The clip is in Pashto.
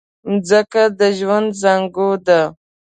مځکه د ژوند زانګو ده.